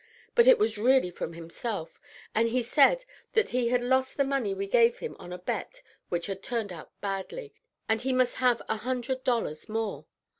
But it was really from himself; and he said that he had lost the money we gave him on a bet which had turned out badly, and he must have a hundred dollars more.